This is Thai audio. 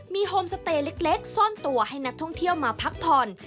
มีโฮมสเตย์เล็กซ่อนตัวให้นักท่องเที่ยวมาพักผ่อน